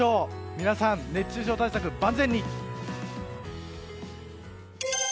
皆さん、熱中症対策万全に！